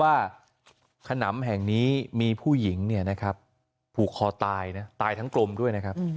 ขนำแห่งนี้มีผู้หญิงเนี่ยนะครับผูกคอตายนะตายทั้งกลมด้วยนะครับ